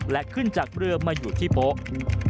และขึ้นจากเรือมาอยู่ที่โป๊ะ